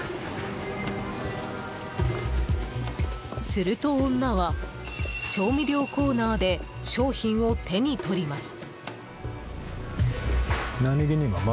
すると、女は調味料コーナーで商品を手に取ります。